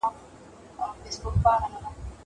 زه اوس کتابتون ته راځم.